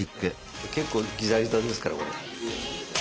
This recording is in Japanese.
結構ギザギザですからこれ。